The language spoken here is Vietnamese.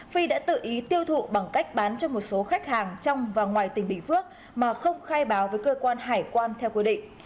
phi đã tự ý tiêu thụ bằng cách bán cho một số khách hàng trong và ngoài tỉnh bình phước mà không khai báo với cơ quan hải quan theo quy định